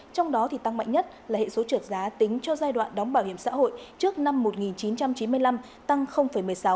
trong đó tăng mạnh nhất là hệ số trượt giá tính cho giai đoạn đóng bảo hiểm xã hội trước năm một nghìn chín trăm chín mươi năm tăng một mươi sáu